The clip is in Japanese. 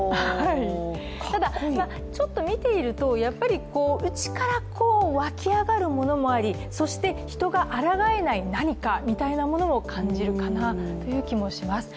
ただ、ちょっと見ていると内から湧き上がるものもあり、そして、人があらがえない何かみたいなものも感じるかなという気がします。